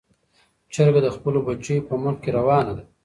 چرګه د خپلو بچیو په مخ کې روانه ده.